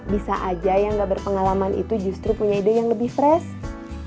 bisa aja yang gak berpengalaman itu justru punya ide yang lebih fresh